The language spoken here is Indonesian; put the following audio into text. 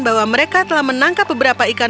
bahwa mereka telah menangkap beberapa ikan